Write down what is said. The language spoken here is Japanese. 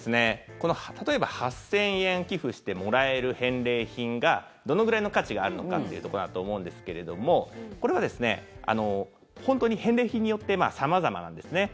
例えば８０００円寄付してもらえる返礼品がどのぐらいの価値があるのかというとこだと思うんですけどこれは本当に返礼品によって様々なんですね。